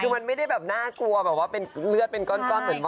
คือไม่ได้แบบน่ากลัวเหมือนบอกว่าเป็นเลือดเป็นก้อน